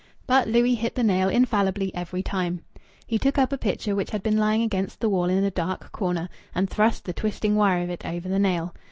But Louis hit the nail infallibly every time. He took up a picture which had been lying against the wall in a dark corner, and thrust the twisting wire of it over the nail.